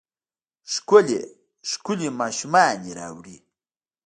ښکلې ، ښکلې ماشومانې راوړي